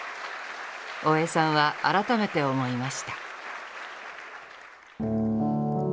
大江さんは改めて思いました。